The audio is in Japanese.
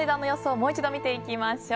もう一度見ていきましょう。